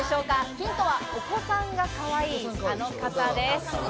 ヒントはお子さんが、かわいいあの方です。